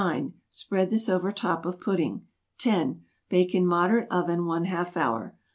Spread this over top of pudding. 10. Bake in moderate oven one half hour.